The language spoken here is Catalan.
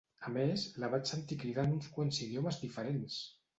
A més, la vaig sentir cridar en uns quants idiomes diferents!